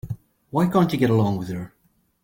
Why can't you get along with her?